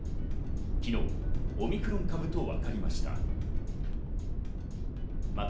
昨日、オミクロン株と分かりました。